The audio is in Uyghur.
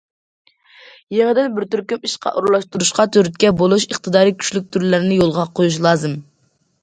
يېڭىدىن بىر تۈركۈم ئىشقا ئورۇنلاشتۇرۇشقا تۈرتكە بولۇش ئىقتىدارى كۈچلۈك تۈرلەرنى يولغا قويۇش لازىم.